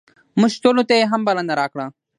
موږ ټولو ته یې هم بلنه راکړه.